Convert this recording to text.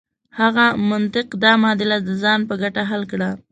هغه منطق دا معادله د ځان په ګټه حل کړه.